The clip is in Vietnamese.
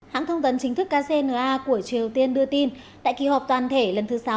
hãng thông tấn chính thức kcna của triều tiên đưa tin tại kỳ họp toàn thể lần thứ sáu